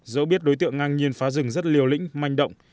dẫu biết đối tượng ngang nhiên phá rừng rất liều lĩnh manh động